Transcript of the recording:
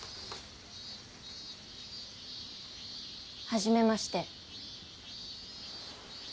はじめまして。